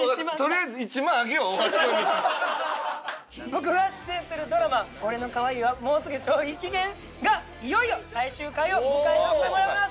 僕が出演するドラマ『俺の可愛いはもうすぐ消費期限！？』がいよいよ最終回を迎えさせてもらいます。